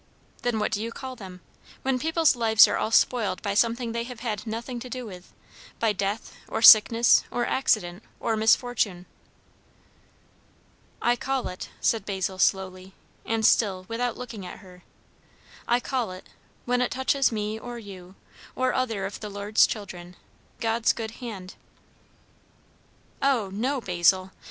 "Then what do you call them? When people's lives are all spoiled by something they have had nothing to do with by death, or sickness, or accident, or misfortune." "I call it," said Basil slowly, and still without looking at her, "I call it, when it touches me or you, or other of the Lord's children, God's good hand." "O no, Basil!